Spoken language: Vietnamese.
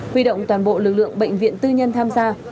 huy động toàn bộ lực lượng bệnh viện tư nhân tham gia